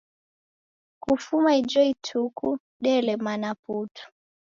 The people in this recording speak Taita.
Kufuma ijo ituku delemana putu!